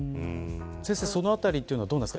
先生、そのあたりはどうですか。